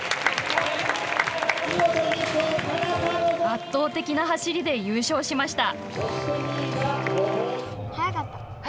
圧倒的な走りで優勝しました。